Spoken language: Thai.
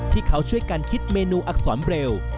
ที่เขาช่วยกันคิดเมนูอักษรเบล